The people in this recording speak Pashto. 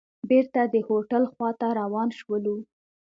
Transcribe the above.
بېرته د هوټل خوا ته روان شولو.